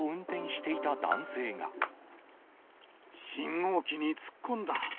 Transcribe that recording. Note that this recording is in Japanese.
信号機に突っ込んだ。